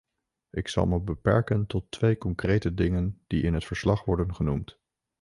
Ik zal me beperken tot twee concrete dingen die in het verslag worden genoemd.